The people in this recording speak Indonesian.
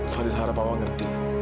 fadil harap pa ngerti